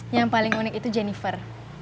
yang paling unik itu jennifer